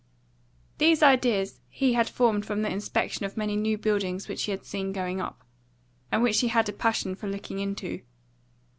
These ideas he had formed from the inspection of many new buildings which he had seen going up, and which he had a passion for looking into.